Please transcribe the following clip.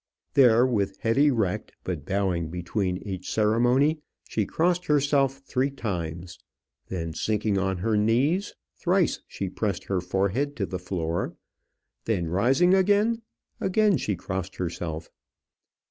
There, with head erect, but bowing between each ceremony, she crossed herself three times; then sinking on her knees, thrice she pressed her forehead to the floor; then rising again, again she crossed herself.